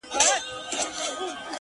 غلامي مي دا یوه شېبه رخصت کړه.!